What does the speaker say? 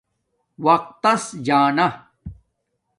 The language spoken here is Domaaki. وقت تس جا نا